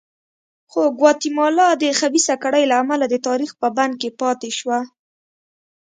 خو ګواتیمالا د خبیثه کړۍ له امله د تاریخ په بند کې پاتې شوه.